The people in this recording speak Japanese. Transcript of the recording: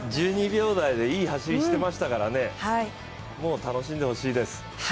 １２秒台でいい走りをしていましたから、もう楽しんでほしいです。